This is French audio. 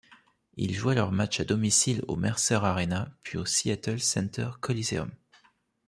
Ils jouaient leurs matchs à domicile au Mercer Arena puis au Seattle Center Coliseum.